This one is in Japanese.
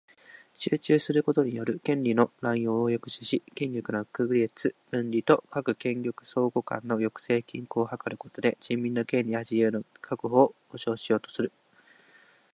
権力分立は、権力が単一の機関に集中することによる権利の濫用を抑止し、権力の区別・分離と各権力相互間の抑制・均衡を図ることで、人民の権利や自由の確保を保障しようとすること